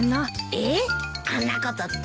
えっ？あんなことって？